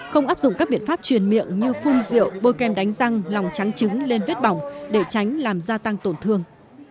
không áp dụng các biện pháp truyền miệng như phun rượu bôi kem đánh răng lòng trắng trứng lên vết bỏng để tránh làm gia tăng tổn thương